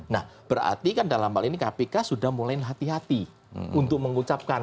nah berarti kan dalam hal ini kpk sudah mulai hati hati untuk mengucapkan